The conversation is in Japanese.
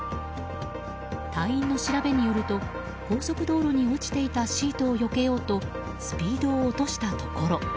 隊員の調べによると高速道路に落ちていたシートを避けようとスピードを落としたところ